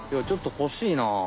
ちょっとほしいな。